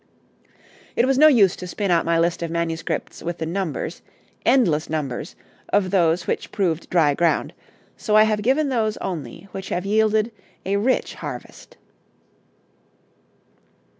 It was no use to spin out my list of manuscripts with the numbers endless numbers of those which proved dry ground, so I have given those only which have yielded a rich harvest.